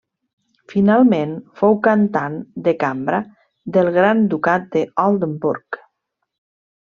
Finalment fou cantant de cambra del gran ducat d'Oldenburg.